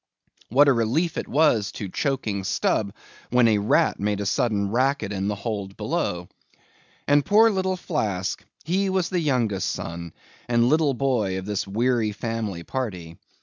What a relief it was to choking Stubb, when a rat made a sudden racket in the hold below. And poor little Flask, he was the youngest son, and little boy of this weary family party.